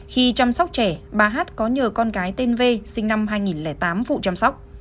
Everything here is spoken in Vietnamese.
khi chăm sóc trẻ bà hát có nhờ con gái tên v sinh năm hai nghìn tám phụ chăm sóc